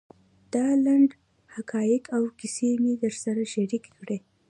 دا لنډ حقایق او کیسې مې در سره شریکې کړې.